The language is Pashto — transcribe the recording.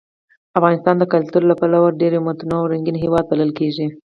افغانستان د کلتور له پلوه یو ډېر متنوع او رنګین هېواد بلل کېږي.